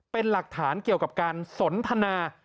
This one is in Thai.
เป็นหลักฐานเกี่ยวกับการสนทนา